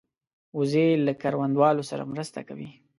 وزې له کروندهوالو سره مرسته کوي